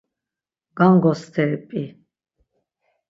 Gango steri p̌i.